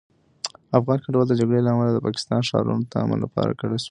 افغان کډوال د جګړې له امله د پاکستان ښارونو ته امن لپاره کډه شول.